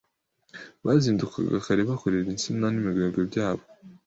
Bazindukaga kare bakorera insina n’imigwegwe byabo.